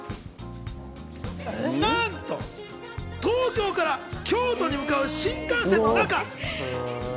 なんと、東京から京都に向かう新幹線の中。